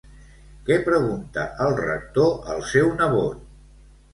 Què pregunta el Rector al seu nebot?